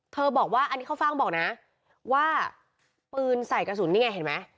บอกว่าอันนี้เข้าฟ่างบอกนะว่าปืนใส่กระสุนนี่ไงเห็นไหม